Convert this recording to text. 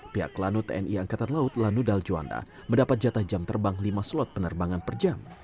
pihak lanut tni angkatan laut lanudal juanda mendapat jatah jam terbang lima slot penerbangan per jam